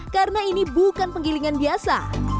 karena ini bukan penggilingan biasa